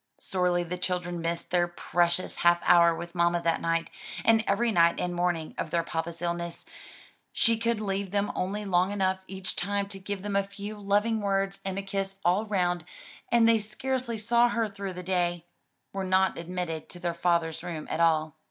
Sorely the children missed their precious half hour with mamma that night, and every night and morning of their papa's illness; she could leave him only long enough each time to give them a few loving words and a kiss all round, and they scarcely saw her through the day were not admitted to their father's room at all.